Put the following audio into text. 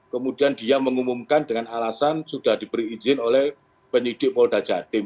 kemudian dia mengumumkan dengan alasan sudah diberi izin oleh penyidik polda jatim